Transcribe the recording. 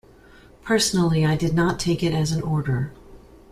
Personally, I did not take it as an order.